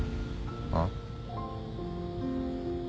あっ？